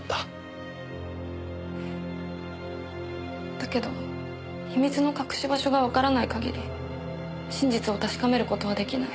だけど秘密の隠し場所がわからない限り真実を確かめる事は出来ない。